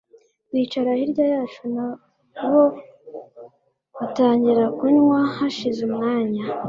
bicara hirya yacu nabo batangira kunywa hashize umwanya